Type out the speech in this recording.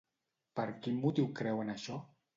Per quin motiu creuen això?